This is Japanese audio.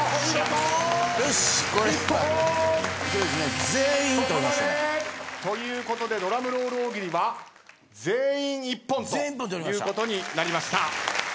そこまで！ということでドラムロール大喜利は全員一本ということになりました。